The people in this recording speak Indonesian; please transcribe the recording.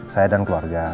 saya dan keluarga